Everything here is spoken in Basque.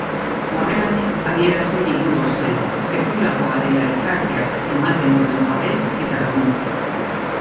Horregatik adierazi digu ozen, sekulakoa dela elkarteak ematen duen babes eta laguntza.